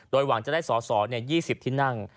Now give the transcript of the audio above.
หวังจะได้สอสอ๒๐ที่นั่ง